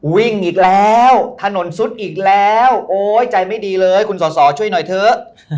วิ่งอีกแล้วถนนซุดอีกแล้วโอ๊ยใจไม่ดีเลยคุณสอสอช่วยหน่อยเถอะ